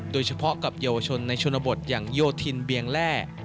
โดยเฉพาะกับเยาวชนในชนบทอย่างโยธินเบียงแร่